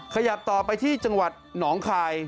ขยับต่อไปที่จังหวัดหนองคาย